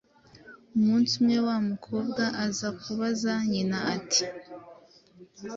Umunsi umwe wa mukobwa aza kubaza nyina ati: